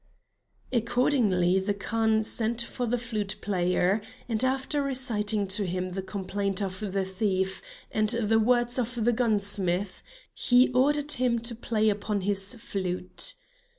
Accordingly, the Khan sent for the flute player, and after reciting to him the complaint of the thief, and the words of the gunsmith, he ordered him to play upon his flute.